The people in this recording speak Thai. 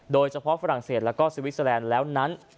โดยเฉพาะฝรั่งเศสและซิวิสแลนด์แล้วนั้น